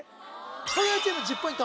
東大王チーム１０ポイント